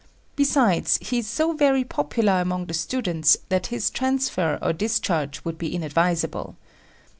Besides, he is so very popular among the students that his transfer or discharge would be inadvisable.